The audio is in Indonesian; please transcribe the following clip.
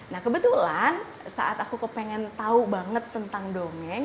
nah kebetulan saat aku kepengen tahu banget tentang dongeng